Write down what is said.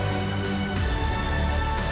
aku mau pergi